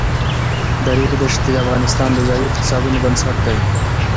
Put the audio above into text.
د ریګ دښتې د افغانستان د ځایي اقتصادونو بنسټ دی.